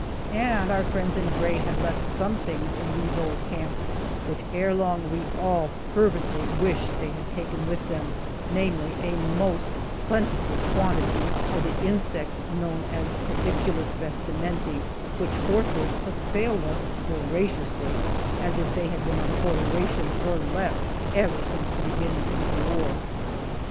And our friends in gray had left some things in these old camps which ere long we all fervently wished they had taken with them, namely, a most plentiful quantity of the insect known as "Pediculus vestimenti," which forthwith assailed us as voraciously as if they had been on quarter rations, or less, ever since the beginning of the war.